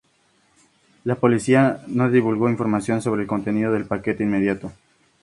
La policía no divulgó información sobre el contenido del paquete de inmediato.